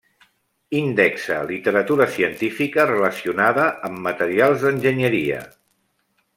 Indexa literatura científica relacionada amb materials d'enginyeria.